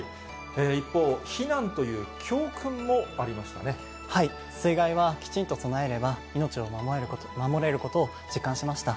一方、はい、水害はきちんと備えれば、命を守れることを実感しました。